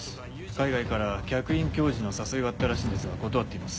海外から客員教授の誘いがあったらしいんですが断っています